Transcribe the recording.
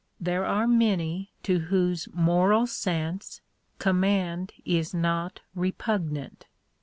There are many to whose moral sense command is not repug nant.